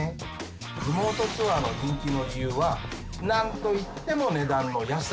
リモートツアーの人気の理由は何と言っても値段の安さ。